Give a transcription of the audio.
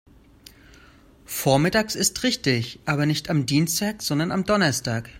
Vormittags ist richtig, aber nicht am Dienstag, sondern am Donnerstag.